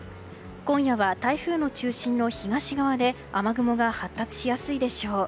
今夜は台風の中心の東側で雨雲が発達しやすいでしょう。